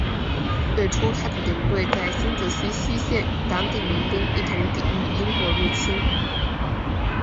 最初他的营队在新泽西西线与当地民兵一同抵御的英国入侵。